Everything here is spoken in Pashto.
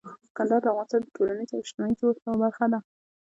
کندهار د افغانستان د ټولنیز او اجتماعي جوړښت یوه برخه ده.